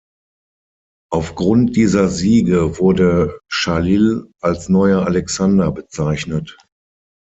Aufgrund dieser Siege wurde Chalil als neuer Alexander bezeichnet.